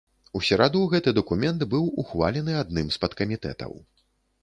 У сераду гэты дакумент быў ухвалены адным з падкамітэтаў.